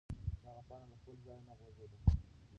دغه پاڼه له خپل ځایه نه غورځېده.